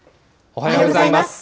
おはようございます。